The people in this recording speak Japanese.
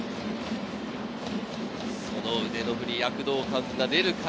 その腕の振り、躍動感が出るか？